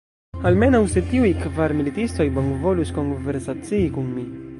Almenaŭ, se tiuj kvar militistoj bonvolus konversacii kun mi!